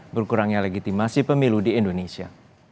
berkurangnya legitimasi pemilu di indonesia